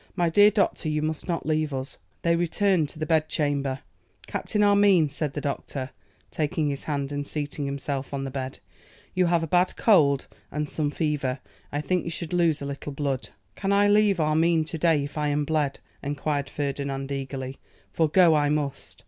'My dear doctor, you must not leave us.' They returned to the bedchamber. 'Captain Armine,' said the physician, taking his hand and seating himself on the bed, 'you have a bad cold and some fever; I think you should lose a little blood.' 'Can I leave Armine to day, if I am bled?' enquired Ferdinand, eagerly, 'for go I must!